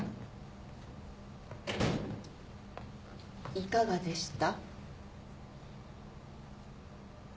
いかがでした？